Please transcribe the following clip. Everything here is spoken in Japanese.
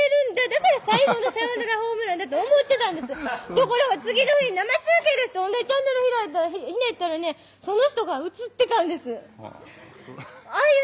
ところが次の日生中継で同じチャンネルひねったらねその人が映ってたんです！